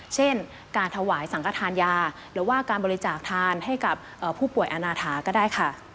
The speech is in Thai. เช่นการถวายสังขทานยาหรือว่าการบริจาคทานให้กับผู้ป่วยอาณาถาก็ได้ค่ะ